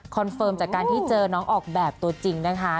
เฟิร์มจากการที่เจอน้องออกแบบตัวจริงนะคะ